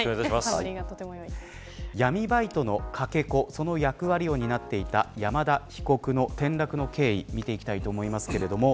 闇バイトのかけ子その役割を担っていた山田被告の転落の経緯を見ていきます。